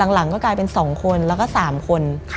หลังก็กลายเป็น๒คนแล้วก็๓คน